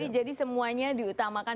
jadi semuanya diutamakan